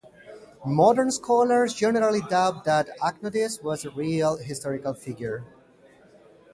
Modern scholars generally doubt that Agnodice was a real historical figure.